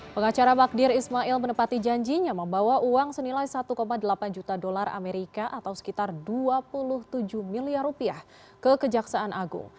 pengacara magdir ismail menepati janjinya membawa uang senilai satu delapan juta dolar amerika atau sekitar dua puluh tujuh miliar rupiah ke kejaksaan agung